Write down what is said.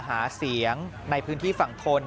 หาเสียงในพื้นที่ฝั่งทน